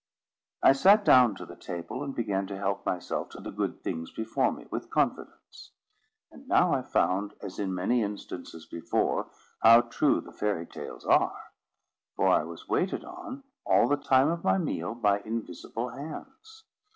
I sat down to the table, and began to help myself to the good things before me with confidence. And now I found, as in many instances before, how true the fairy tales are; for I was waited on, all the time of my meal, by invisible hands.